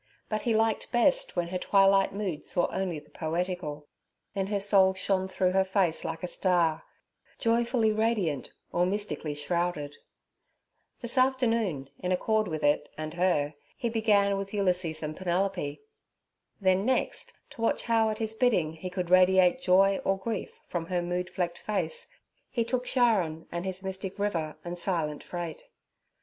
But he liked best when her twilight mood saw only the poetical; then her soul shone through her face like a star, joyfully radiant or mystically shrouded. This afternoon, in accord with it and her, he began with Ulysses and Penelope. Then next, to watch how at his bidding he could radiate joy or grief from her mood flecked face, he took Charon and his mystic river and silent freight.